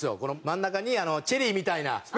真ん中にチェリーみたいな。